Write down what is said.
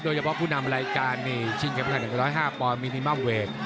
โดยเฉพาะผู้นำรายการชิงแชมป์รุ่น๑๐๕ปมิมัลเวท